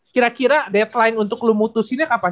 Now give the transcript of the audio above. kira kira deadline untuk lo mutusinnya ke apa